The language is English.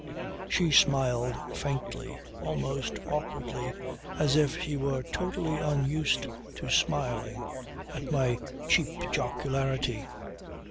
She smiled faintly, almost awkwardly as if she were totally unused to smiling, at my cheap jocularity.